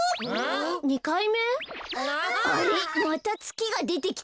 あれっまたつきがでてきたよ。